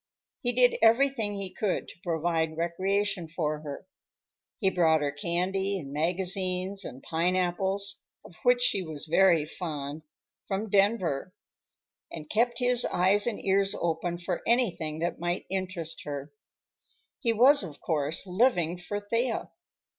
He did everything he could to provide recreation for her. He brought her candy and magazines and pineapples—of which she was very fond—from Denver, and kept his eyes and ears open for anything that might interest her. He was, of course, living for Thea.